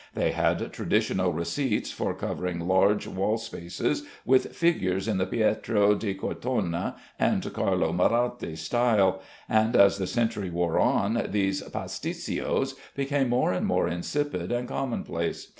They had traditional receipts for covering large wall spaces with figures in the Pietro di Cortona and Carlo Maratti style; and as the century wore on, these "pasticcios" became more and more insipid and commonplace.